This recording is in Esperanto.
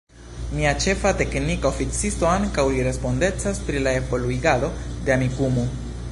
Mia Ĉefa Teknika Oficisto ankaŭ li respondecas pri la evoluigado de Amikumu